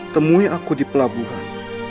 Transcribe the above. temui aku di pelabuhan